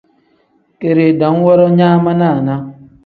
Keeri dam woro nyaa ma naana.